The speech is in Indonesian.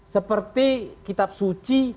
seperti kitab suci